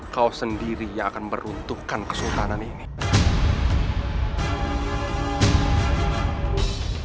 kau sendiri yang akan meruntuhkan keseluruhanmu